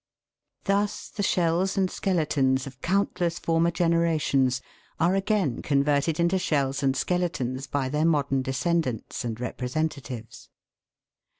Thus the shells and skele tons of countless former generations are again converted into shells and skeletons by their modern descendants and representatives.